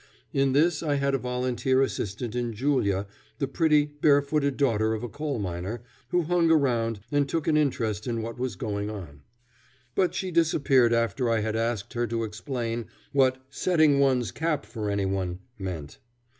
In this I had a volunteer assistant in Julia, the pretty, barefooted daughter of a coal miner, who hung around and took an interest in what was going on. But she disappeared after I had asked her to explain what setting one's cap for any one meant.